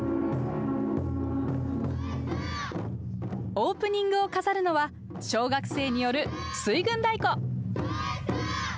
オープニングを飾るのは小学生による水軍太鼓。